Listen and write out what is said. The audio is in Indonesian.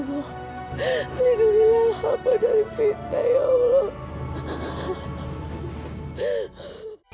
hidupnya apa dari fitnah ya allah